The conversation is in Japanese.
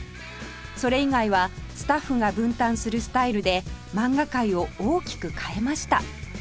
それ以外はスタッフが分担するスタイルで漫画界を大きく変えました